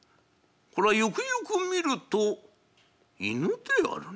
これはよくよく見ると犬であるな。